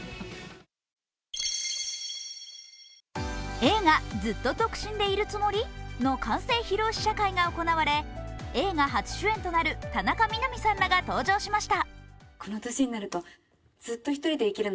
映画「ずっと独身でいるつもり？」の完成披露試写会が行われ映画初主演となる田中みな実さんらが出演しました。